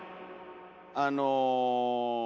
あの。